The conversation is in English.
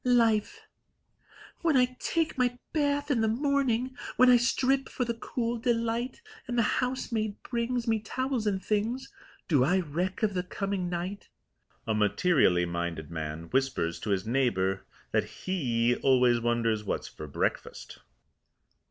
LIFE When I take my bath in the morning, When I strip for the cool delight, And the housemaid brings Me towels and things, Do I reck of the coming night? A materially minded man whispers to his neighbour that he always wonders what's for breakfast.